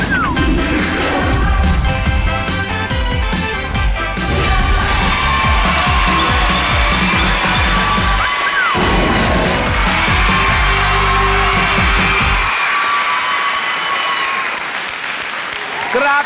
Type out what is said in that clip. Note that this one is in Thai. ขอบคุณครับ